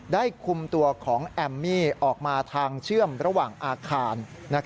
คุมตัวของแอมมี่ออกมาทางเชื่อมระหว่างอาคาร